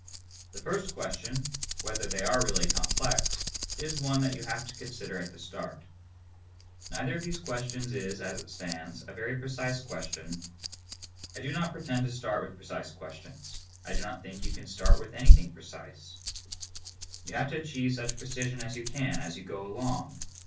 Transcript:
The first question, whether they are really complex, is one that you have to consider at the start. Neither of these questions is, as it stands, a very precise question. I do not pretend to start with precise questions. I do not think you can start with anything precise. You have to achieve such precision as you can, as you go along.